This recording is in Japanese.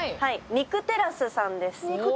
２９テラスさんです。